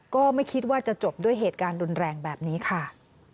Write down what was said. ก็ไม่คิดว่าจะจบด้วยเหตุการณ์รุนแรงแบบนี้ค่ะ